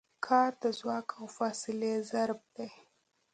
کار د ځواک او فاصلې ضرب دی.